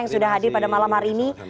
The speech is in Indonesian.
yang sudah hadir pada malam hari ini